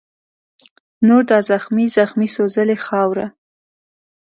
نور دا زخمې زخمي سوځلې خاوره